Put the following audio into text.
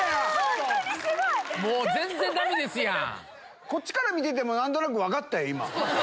全然ダメですやん！